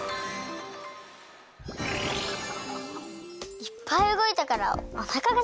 いっぱいうごいたからおなかがすいちゃいました！